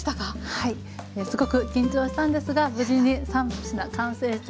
はいすごく緊張したんですが無事に３品完成してよかったです。